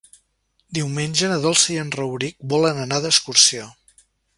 Diumenge na Dolça i en Rauric volen anar d'excursió.